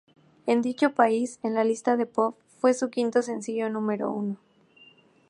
En dicho país, en la lista de pop, fue su quinto sencillo número uno.